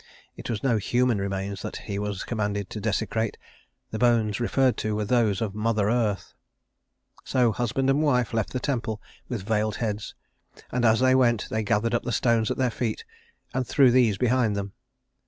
It was no human remains that he was commanded to desecrate; the bones referred to were those of Mother Earth. So husband and wife left the temple with veiled heads; and as they went they gathered up the stones at their feet and threw these behind them.